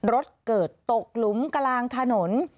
รถเกิดตกหลุมกลางถนน